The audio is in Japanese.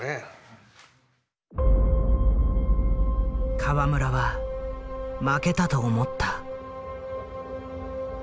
河村は負けたと思った。